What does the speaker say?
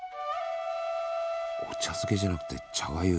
お茶漬けじゃなくて茶がゆ。